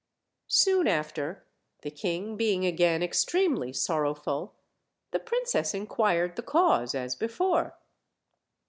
Soon after, the king being again extremely sorrowful, the princess inquired the cause as before.